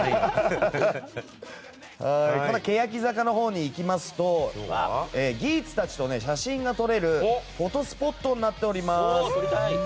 ケヤキ坂のほうに行きますとギーツたちと写真が撮れるフォトスポットになっております。